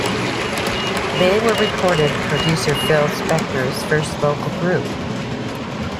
They were record producer Phil Spector's first vocal group.